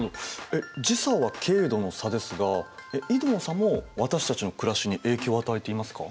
えっ時差は経度の差ですが緯度の差も私たちの暮らしに影響を与えていますか？